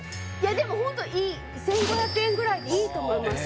でもホント１５００円ぐらいでいいと思いますよ